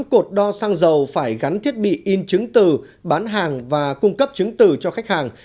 một cột đo xăng dầu phải gắn thiết bị in chứng từ bán hàng và cung cấp chứng từ cho khách hàng